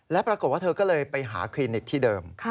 และปรากฏว่าเธอก็เลยไปหาคลินิกที่เดิม